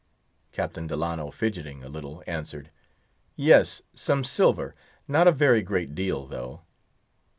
Captain Delano, fidgeting a little, answered— "Yes; some silver; not a very great deal, though."